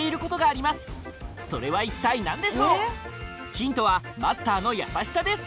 ヒントはマスターの優しさです